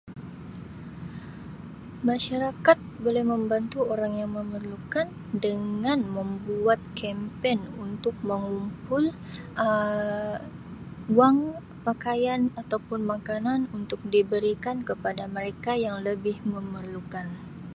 Masyarakat boleh membantu orang yang memerlukan dengan membuat kempen untuk mengumpul Um wang, pakaian ataupun makanan untuk diberikan kepada mereka yang lebih memerlukan.